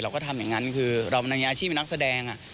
เราก็ทำอย่างนั้นคือเราเป็นอาชีพเป็นนักแสดง